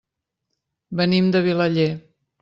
Venim de Vilaller.